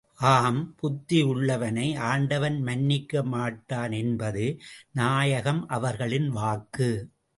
அப் புத்தி உள்ளவனை ஆண்டவன் மன்னிக்க மாட்டான் என்பது நாயகம் அவர்களின் வாக்கு.